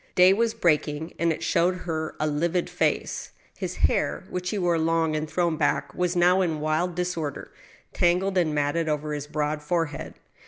Day was breaking, and it showed her a livid face ; his hair, which he wore long and thrown back, was now in wild dis order, tangled and matted over his broad forehead.